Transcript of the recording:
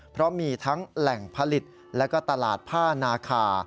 เพราะมีทั้งแหล่งผลิตและก็ตลาดผ้านาคา